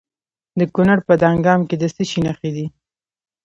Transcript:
د کونړ په دانګام کې د څه شي نښې دي؟